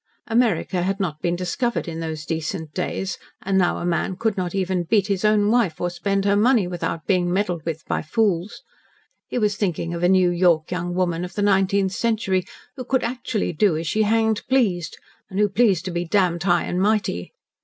America had not been discovered in those decent days, and now a man could not beat even his own wife, or spend her money, without being meddled with by fools. He was thinking of a New York young woman of the nineteenth century who could actually do as she hanged pleased, and who pleased to be damned high and mighty.